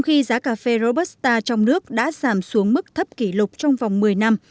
khi giá cà phê robusta trong nước đã giảm xuống mức thấp kỷ lục trong vòng một mươi năm